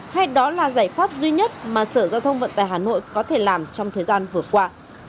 hay đó là giải pháp duy nhất mà sở giao thông vận tài hà nội có thể làm trong thời gian vừa qua